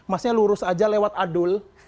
masnya lurus aja lewat adull